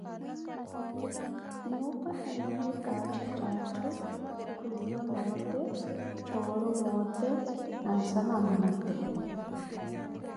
Nyuupa enaaye katthi tatthu, khuzinya moote, coworo moote na nsana mmote.